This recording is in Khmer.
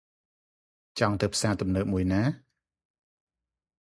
ចង់ទៅផ្សារទំនើបមួយណា?